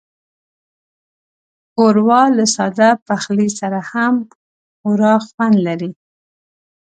ښوروا له ساده پخلي سره هم خورا خوند لري.